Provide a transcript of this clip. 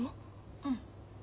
うん。